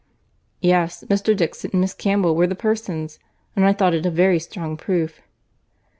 "Yes, Mr. Dixon and Miss Campbell were the persons; and I thought it a very strong proof."